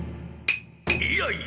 いやいや！